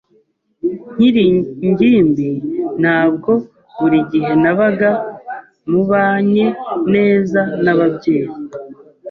Nkiri ingimbi, ntabwo buri gihe nabaga mubanye neza nababyeyi.